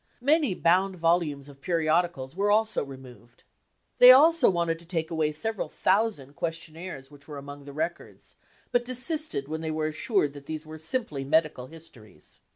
Many bound volumes of periodicals were also removed. They also wanted to take away several thousand questionnaires which were among the records, but desisted when they were assured that these were simply medical histories.